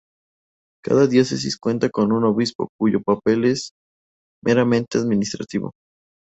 Cada diócesis cuenta con un obispo cuyo papel es meramente administrativo.